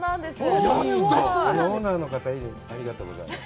あのオーナーの方いいありがとうございます